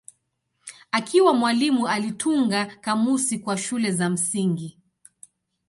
Akiwa mwalimu alitunga kamusi kwa shule za msingi.